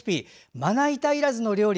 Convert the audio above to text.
まな板いらずの料理。